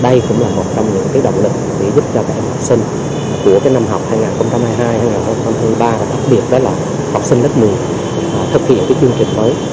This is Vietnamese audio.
đây cũng là một trong những động lực để giúp cho các em học sinh của năm học hai nghìn hai mươi hai hai nghìn hai mươi ba và đặc biệt đó là học sinh lớp một mươi thực hiện chương trình mới